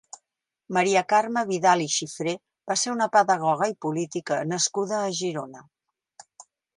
Maria Carme Vidal i Xifré va ser una pedagoga i política nascuda a Girona.